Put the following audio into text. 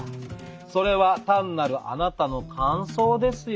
「それは単なるあなたの感想ですよね？」。